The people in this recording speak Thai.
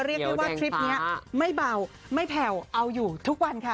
เรียกได้ว่าทริปนี้ไม่เบาไม่แผ่วเอาอยู่ทุกวันค่ะ